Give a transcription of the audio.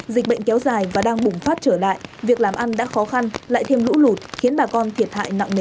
dịch bệnh kéo dài và đang bùng phát trở lại việc làm ăn đã khó khăn lại thêm lũ lụt khiến bà con thiệt hại nặng nề